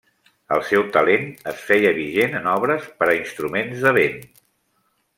El seu talent es feia vigent en obres per a instruments de vent.